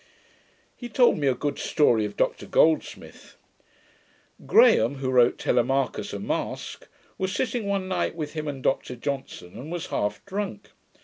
He told me a good story of Dr Goldsmith. Graham, who wrote Telemachus, a Masque, was sitting one night with him and Dr Johnson, and was half drunk.